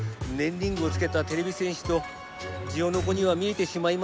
リングをつけたてれび戦士とジオノコには見えてしまいますが。